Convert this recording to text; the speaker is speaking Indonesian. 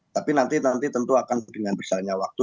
tapi nanti tentu akan dengan besarnya waktu